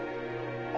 あ。